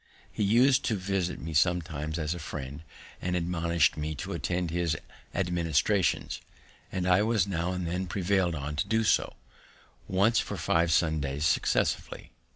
He us'd to visit me sometimes as a friend, and admonished me to attend his administrations, and I was now and then prevail'd on to do so, once for five Sundays successively.